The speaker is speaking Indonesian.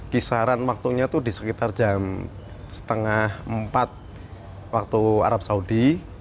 kisaran waktunya itu di sekitar jam setengah empat waktu arab saudi